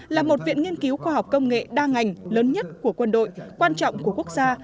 là một viện nghiên cứu khoa học công nghệ đa ngành lớn nhất của quân đội quan trọng của quốc gia